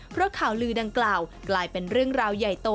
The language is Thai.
เพราะข่าวลือดังกล่าวกลายเป็นเรื่องราวใหญ่โต